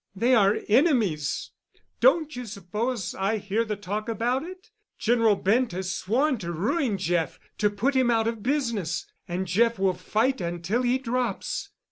They are enemies—don't you suppose I hear the talk about it? General Bent has sworn to ruin Jeff—to put him out of business; and Jeff will fight until he drops.